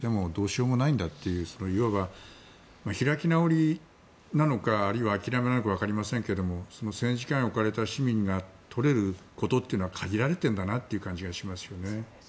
ミサイルが飛んできた時は逃げも隠れもしてもどうしようもないんだといういわば開き直りなのかあるいは諦めなのか分かりませんが戦時下に置かれた市民が取れることというのは限られてるんだなという感じがしますよね。